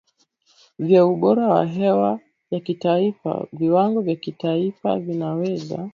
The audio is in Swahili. vya ubora wa hewa ya kitaifa Viwango vya kitaifa vinaweza